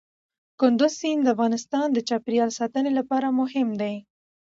کندز سیند د افغانستان د چاپیریال ساتنې لپاره مهم دي.